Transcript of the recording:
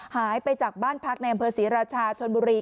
หายไปจากบ้านพักในอำเภอศรีราชาชนบุรี